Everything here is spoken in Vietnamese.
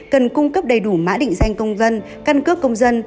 cần cung cấp đầy đủ mã định danh công dân căn cước công dân